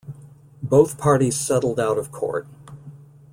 Both parties settled out of court.